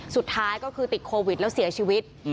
สุดท้ายก็คือติดโควิดแล้วเสียชีวิต